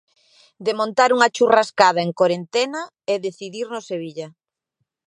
De montar unha churrascada en corentena e decidir no Sevilla.